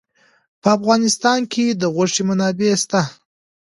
په افغانستان کې د غوښې منابع شته.